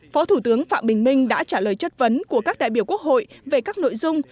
phó thủ tướng phạm bình minh đã trả lời chất vấn của các đại biểu quốc hội về các nội dung